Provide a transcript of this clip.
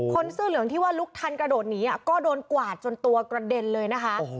เสื้อเหลืองที่ว่าลุกทันกระโดดหนีก็โดนกวาดจนตัวกระเด็นเลยนะคะ